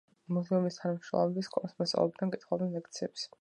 მუზეუმის თანამშრომლები სკოლის მოსწავლეებისთვის კითხულობენ ლექციებს.